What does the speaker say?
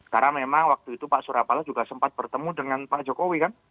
karena memang waktu itu pak surabala juga sempat bertemu dengan pak jokowi kan